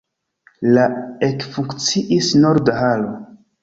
La ekfunkciis norda halo.